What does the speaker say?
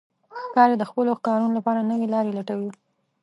ښکاري د خپلو ښکارونو لپاره نوې لارې لټوي.